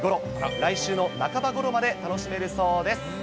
来週の半ばごろまで楽しめるそうです。